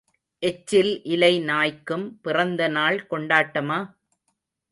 எச்சில் இலை நாய்க்கும் பிறந்த நாள் கொண்டாட்டமா?